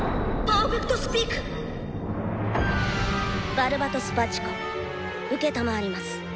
「バルバトス・バチコ承ります」。